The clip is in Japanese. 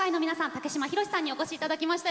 竹島宏さんにお越し頂きました。